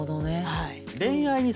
はい。